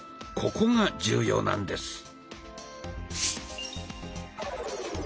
ここが重要なんです。